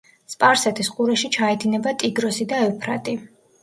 სპარსეთის ყურეში ჩაედინება ტიგროსი და ევფრატი.